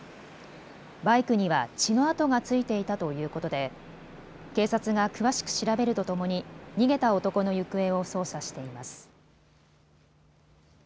バイクには血の跡が付いていたということで警察が詳しく調べるとともに逃げた男の行方を捜査しています。